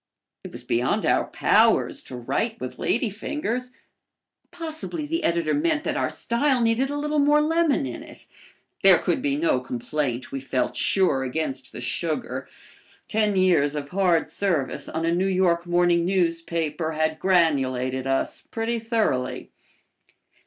It was beyond our powers to write with ladyfingers. Possibly the editor meant that our style needed a little more lemon in it. There could be no complaint, we felt sure, against the sugar. Ten years of hard service on a New York morning newspaper had granulated us pretty thoroughly.